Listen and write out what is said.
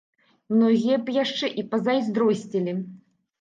Многія б яшчэ і пазайздросцілі.